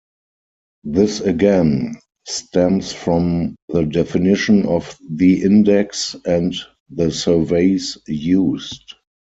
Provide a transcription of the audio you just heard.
This again stems from the definition of the index and the surveys used.